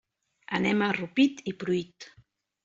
Anem a Rupit i Pruit.